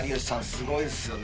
すごいっすよね。